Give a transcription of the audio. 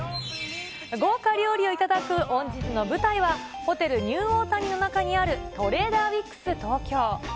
豪華料理を頂く本日の舞台は、ホテルニューオータニの中にある、トレーダーヴィックス東京。